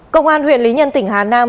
công an huyện lý nhân tỉnh hà nam